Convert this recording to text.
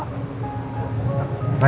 kamu masih bersemangat